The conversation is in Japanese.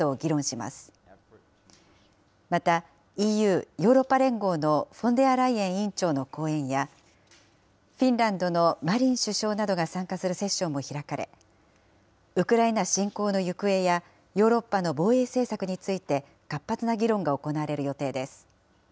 また、ＥＵ・ヨーロッパ連合のフォンデアライエン委員長の講演や、フィンランドのマリン首相などが参加するセッションなども開かれ、ウクライナ侵攻の行方やヨーロッパの防衛政策について活発な議論が行われる予定です。